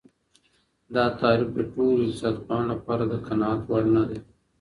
دا تعريف د ټولو اقتصاد پوهانو لپاره د قناعت وړ نه دی.